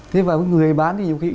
thế và người bán thì chẳng biết